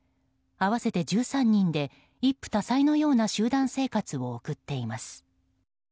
合わせて１３人で一夫多妻のような集団生活を送っています。